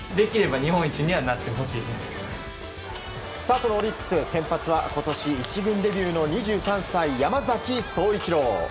そのオリックス先発は今年１軍デビューの２３歳、山崎颯一郎。